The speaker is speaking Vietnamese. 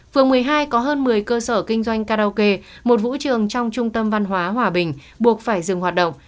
phường một mươi hai có hơn một mươi cơ sở kinh doanh karaoke một vũ trường trong trung tâm văn hóa hòa bình buộc phải dừng hoạt động